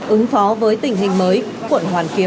ứng phó với tình hình mới